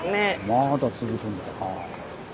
まだ続くんだよなあ。